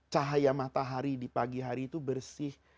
cahaya matahari di pagi hari itu bersih